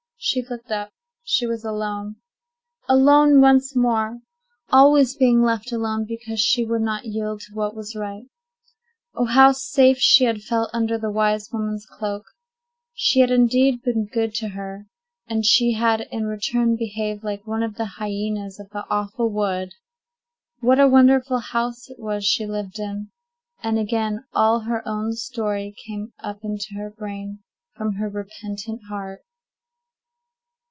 She looked up; she was alone. Alone once more! Always being left alone, because she would not yield to what was right! Oh, how safe she had felt under the wise woman's cloak! She had indeed been good to her, and she had in return behaved like one of the hyenas of the awful wood! What a wonderful house it was she lived in! And again all her own story came up into her brain from her repentant heart.